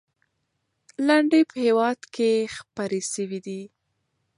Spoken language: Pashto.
لنډۍ په هېواد کې خپرې سوي دي.